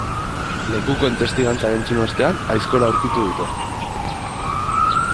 Lekukoen testigantzak entzun ostean, aizkora aurkitu dute.